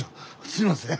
すいません。